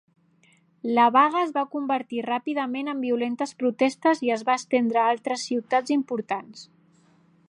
La vaga es va convertir ràpidament en violentes protestes i es va estendre a altres ciutats importants.